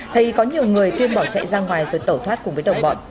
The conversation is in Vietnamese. thầy có nhiều người tuyên bỏ chạy ra ngoài rồi tẩu thoát cùng với đồng bọn